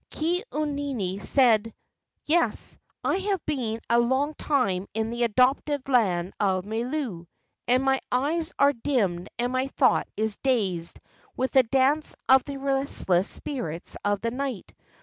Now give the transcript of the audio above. Ke au nini said: "Yes, I have been a long time in the adopted land of Milu, and my eyes are dimmed and my thought is dazed with the dance of the restless spirits of the night.